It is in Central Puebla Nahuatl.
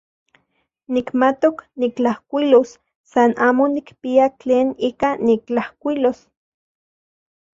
Nikmatok nitlajkuilos, san amo nikpia tlen ika nitlajkuilos.